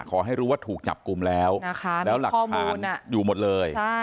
ขอให้รู้ว่าถูกจับกลุ่มแล้วแล้วหลักฐานอยู่หมดเลย